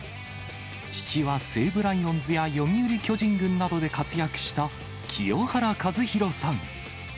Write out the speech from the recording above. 父は西武ライオンズや読売巨人軍などで活躍した清原和博さん。